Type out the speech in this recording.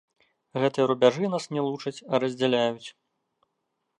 Гэтыя рубяжы нас не лучаць, а раздзяляюць.